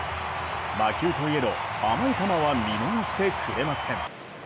魔球といえど甘い球は見逃してくれません。